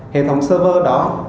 hệ thống server đó